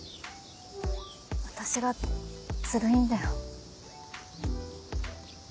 私がズルいんだよ。